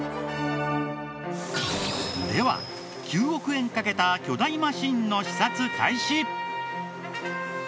では９億円かけた巨大マシーンの視察開始。